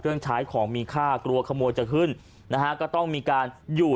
ใช้ของมีค่ากลัวขโมยจะขึ้นนะฮะก็ต้องมีการอยู่